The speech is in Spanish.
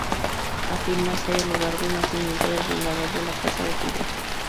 Afirma ser el lugar de nacimiento del fundador de la Casa de Tudor.